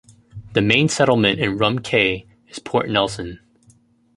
The Main settlement in Rum Cay is Port Nelson.